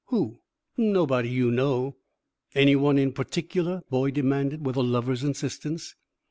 "Who?" "Nobody you know." "Any one in particular?" Boyd demanded, with a lover's insistence.